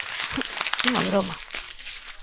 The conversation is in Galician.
¡Unha broma!